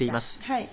はい。